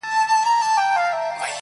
یار به ملا تړلی حوصلې د دل دل واغوندم,